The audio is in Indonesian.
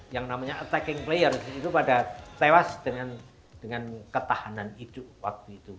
yang namanya attacking player itu pada tewas dengan ketahanan hidup waktu itu